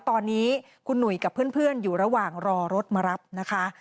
ตอนนี้คุณหนุ่ยกับเพื่อนอยู่ระหว่างรอรถมารับนะคะ